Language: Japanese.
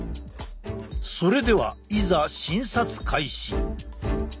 それではいざ診察開始。